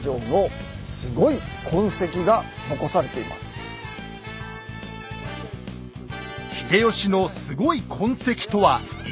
実は秀吉のすごい痕跡とは一体。